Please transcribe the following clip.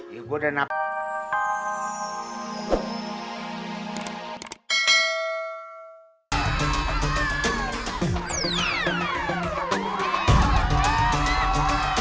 ya gua udah napas